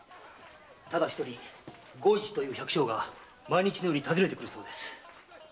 ただ一人吾市という百姓が毎日のように訪ねてくるそうです。